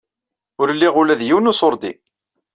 Ur liɣ ula d yiwen n uṣurdi.